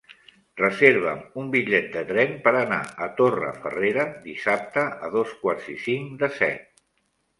Reserva'm un bitllet de tren per anar a Torrefarrera dissabte a dos quarts i cinc de set.